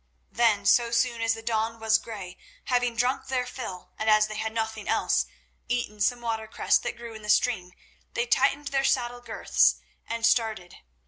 Then, so soon as the dawn was grey, having drunk their fill and, as they had nothing else, eaten some watercress that grew in the stream, they tightened their saddle girths and started.